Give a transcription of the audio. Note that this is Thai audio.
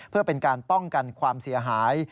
เพื่อเป็นการป้องกันความเสียหาย